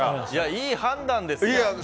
いい判断ですよ。